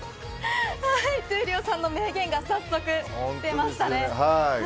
闘莉王さんの名言が早速出ましたね。